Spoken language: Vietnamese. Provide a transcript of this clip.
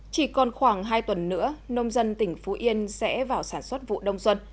chỉ còn khoảng hai tuần nữa nông dân tỉnh phú yên sẽ vào sản xuất vụ đông xuân